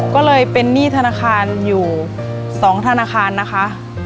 ก็เลยเป็นหนี้ธนาคารอยู่๒ธนาคารนะคะ